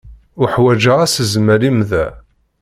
Uḥwaǧeɣ asezmel-im da.